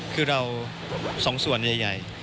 คือเราสองส่วนใหญ่